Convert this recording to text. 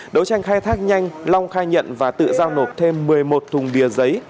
đấu tranh khai thác nhanh long khai nhận và tự giao nộp thêm một mươi một thùng bia giấy